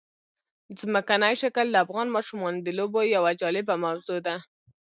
ځمکنی شکل د افغان ماشومانو د لوبو یوه جالبه موضوع ده.